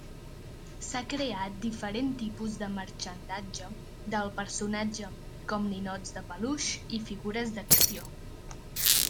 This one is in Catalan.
S'ha creat diferent tipus de marxandatge del personatge com ninots de peluix i figures d'acció.